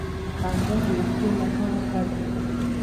خندا د روغتیا لپاره ښه ده